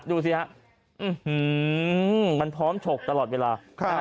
ดูซินะอื้อหือมมมันพร้อมฉกตลอดเวลา